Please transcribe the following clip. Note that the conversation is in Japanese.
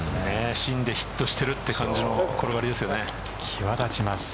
芯でヒットしているという感じの転がりですよね際立ちます。